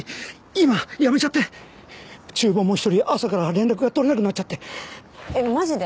今辞めちゃってちゅう房も１人朝から連絡が取れなくなっちゃってえっマジで？